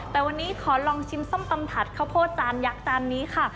แต่วันนี้ขอลองชิมส้มตำถัดข้าวโพดจานยักษ์จานนี้ค่ะ